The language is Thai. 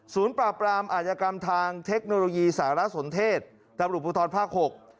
สูญปราบรามอาจกรรมทางเทคโนโลยีสารสนเทศตะบุภูทรภาค๖